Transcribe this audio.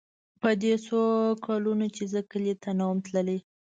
په دې څو کلونو چې زه کلي ته نه وم تللى.